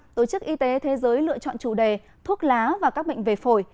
tổ chức y tế thế giới lựa chọn chủ đề thuốc lá và các bệnh về phổi